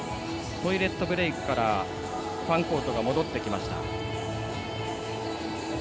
トイレットブレークからファンコートが戻ってきました。